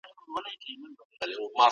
ستاسو اولاد ستاسو سرمایه ده.